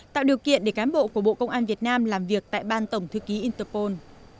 tạo điều kiện để cán bộ của bộ công an việt nam làm việc tại ban tổng thư ký interpol